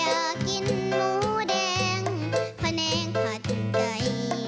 อยากกินหมูแดงพะแนงผัดไก่